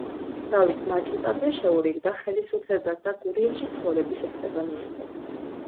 დავით მაჭუტაძე შეურიგდა ხელისუფლებას და გურიაში ცხოვრების უფლება მიიღო.